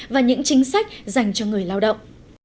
và những chính sách dành cho người lao động